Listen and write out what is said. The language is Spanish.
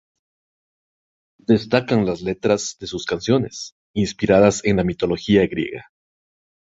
Destacan las letras de sus canciones, inspiradas en la mitología griega.